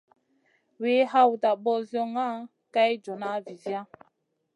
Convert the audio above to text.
Wi hawta ɓozioŋa kay joona viziya.